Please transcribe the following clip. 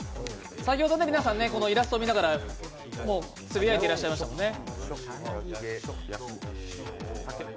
先ほど皆さん、このイラストを見ながらつぶやいていらっしゃいましたもんね。